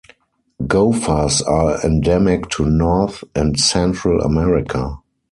Gophers are endemic to North and Central America.